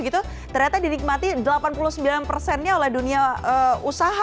ternyata dinikmati delapan puluh sembilan persennya oleh dunia usaha